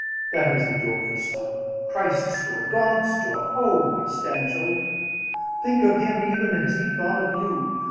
That is the door for sorrow Christ's door, God's door: O! it stands open. Think of him, even as he thought of you.